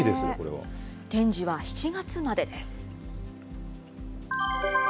展示は７月までです。